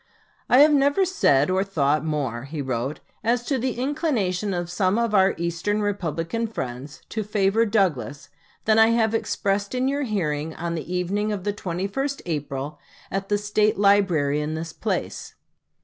"I have never said or thought more," wrote he, "as to the inclination of some of our Eastern Republican friends to favor Douglas, than I expressed in your hearing on the evening of the 21st April, at the State Library in this place.